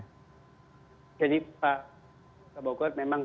jadi pak bogoar memang